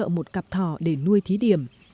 anh hiễu đã tạo một cặp thỏ để nuôi thí điểm